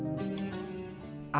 keuntungan yang diperlukan oleh anak anak